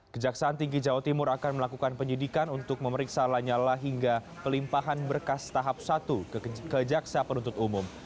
kejaksaan tinggi jawa timur akan melakukan penyidikan untuk memeriksa lanyala hingga pelimpahan berkas tahap satu ke jaksa penuntut umum